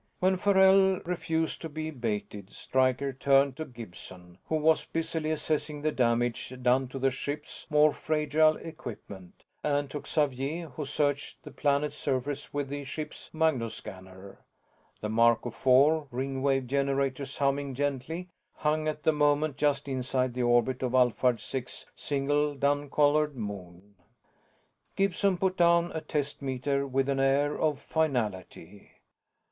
When Farrell refused to be baited Stryker turned to Gibson, who was busily assessing the damage done to the ship's more fragile equipment, and to Xavier, who searched the planet's surface with the ship's magnoscanner. The Marco Four, Ringwave generators humming gently, hung at the moment just inside the orbit of Alphard Six's single dun colored moon. Gibson put down a test meter with an air of finality.